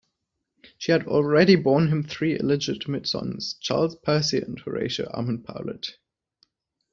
She had already borne him three illegitimate sons: Charles, Percy, and Horatio Armand Powlett.